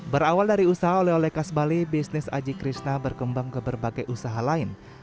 berawal dari usaha oleh oleh khas bali bisnis aji krishna berkembang ke berbagai usaha lain